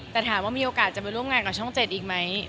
แต่ถามว่ามีโอกาสจะไปร่วมงานกับช่อง๗อีกไหม